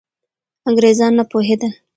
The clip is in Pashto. انګریزان نه پوهېدل.